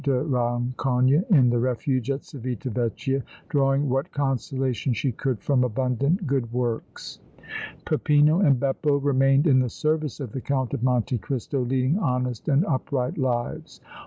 de Rancogne in the Refuge at Civita Vecchia, drawing what consolation she could from abundant good works. Peppino and Beppo remained in the service of the Count of Monte Cristo, leading honest and upright lives.